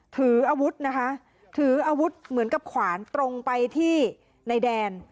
ถืออาวุธนะคะถืออาวุธเหมือนกับขวานตรงไปที่ในแดน